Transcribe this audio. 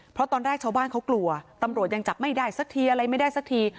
เพราะตอนแรกชาวบ้านเขากลัวตำรวจยังจับไม่ได้สักทีอะไรไม่ได้สักที